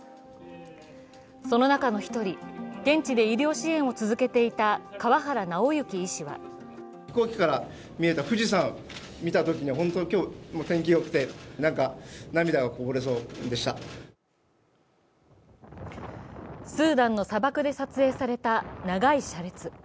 その中の一人、現地で医療支援を続けていた川原尚行医師はスーダンの砂漠で撮影された長い車列。